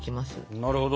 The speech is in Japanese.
なるほど。